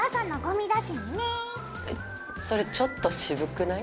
それちょっと渋くない？